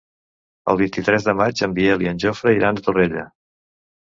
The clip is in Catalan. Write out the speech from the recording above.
El vint-i-tres de maig en Biel i en Jofre iran a Torrella.